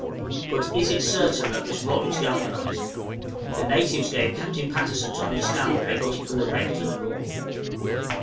But is it certain that this rod was galvanized? The natives gave Captain Patterson to understand that they got it from the wreck to the north.